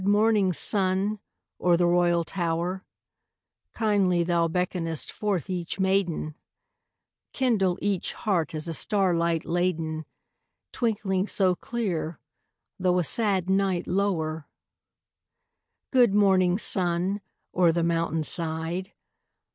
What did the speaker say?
Good morning, sun, o'er the royal tower! Kindly thou beckonest forth each maiden; Kindle each heart as a star light laden, Twinkling so clear, though a sad night lower! Good morning, sun, o'er the mountain side!